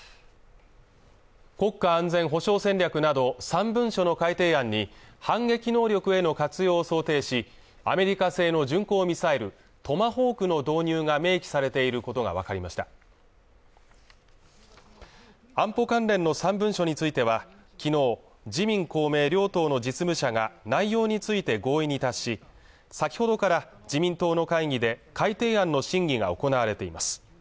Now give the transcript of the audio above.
国家安全保障戦略など３文書の改定案に反撃能力への活用を想定しアメリカ製の巡航ミサイルトマホークの導入が明記されていることが分かりました安保関連の３文書についてはきのう自民公明両党の実務者が内容について合意に達し先ほどから自民党の会議で改定案の審議が行われています